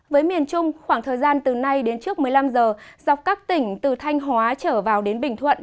với miền trung khoảng thời gian từ nay đến trước một mươi năm giờ dọc các tỉnh từ thanh hóa trở vào đến bình thuận